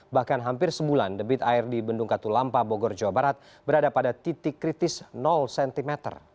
bahkan hampir sebulan debit air di bendung katulampa bogor jawa barat berada pada titik kritis cm